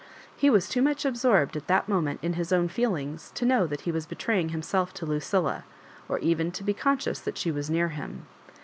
He was too much absorbed at that moment in his own feelings to know that he was betraying himself to Ludlla, or even to be con scious that she was near him.